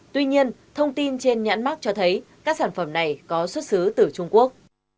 tuy nhiên thông tin trên nhãn mắc cho thấy các sản phẩm này có xuất xứ từ trung quốc